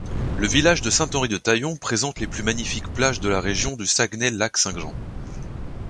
Le village de Saint-Henri-de-Taillon présente les plus magnifiques plages de la région du Saguenay-Lac-Saint-Jean.